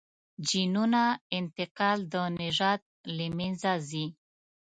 جینونو انتقال د نژاد له منځه ځي.